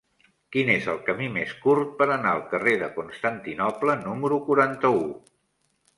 Quin és el camí més curt per anar al carrer de Constantinoble número quaranta-u?